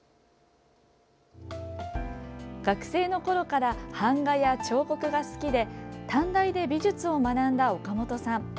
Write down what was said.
学生のころから版画や彫刻が好きで短大で美術を学んだ岡本さん。